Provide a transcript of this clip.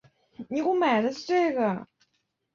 腿龙的化石发现于英格兰与美国亚利桑那州。